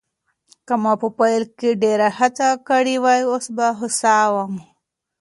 که ما په پیل کې ډېره هڅه کړې وای، اوس به هوسا وم.